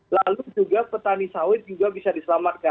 lalu juga petani sawit juga bisa diselamatkan